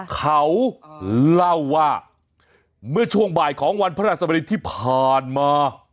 เขาเล่าว่าเมื่อช่วงบ่ายของวันพระราชบดีที่ผ่านมา